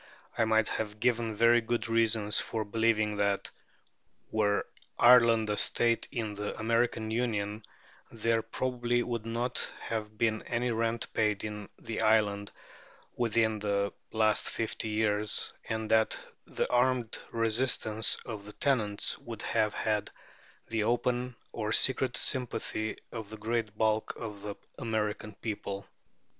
I might have given very good reasons for believing that, were Ireland a state in the American Union, there probably would not have been any rent paid in the island within the last fifty years, and that the armed resistance of the tenants would have had the open or secret sympathy of the great bulk of the American people.